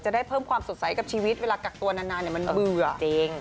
ได้เพิ่มความสดใสกับชีวิตเวลากักตัวนานมันเบื่อจริง